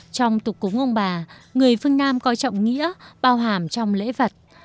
trong tục cúng ông bà người phương nam coi trọng nghĩa bao hàm trong lễ vật